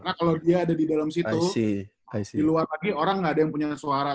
karena kalo dia ada di dalam situ di luar lagi orang nggak ada yang punya suara